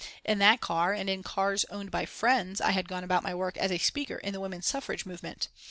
In that car, and in cars owned by friends I had gone about my work as a speaker in the Woman Suffrage movement.